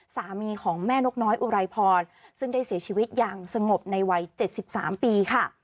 สามีของแม่นกน้อยอุไรพรซึ่งได้เสียชีวิตอย่างสงบในวัย๗๓ปีค่ะ